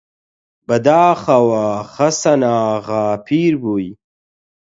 بەداخەوە خەسەناغا پیر بووی!